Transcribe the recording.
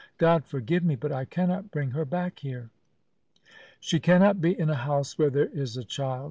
God forgive me, but I cannot bring her back here." "She cannot be in a house where there is a child!"